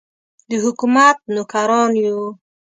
د حکومت نوکران یو.